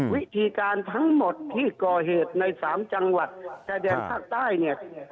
วิธีการทั้งหมดที่ก่อเหตุใน๓จังหวัดชายแดนภาคใต้เนี่ย